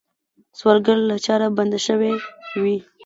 سوالګر له چاره بنده شوی وي